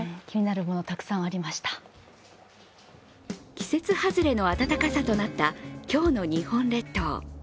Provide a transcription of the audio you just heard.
季節外れの暖かさとなった今日の日本列島。